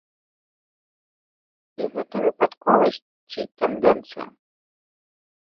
Ці гэта выпадковасць, ці тэндэнцыя?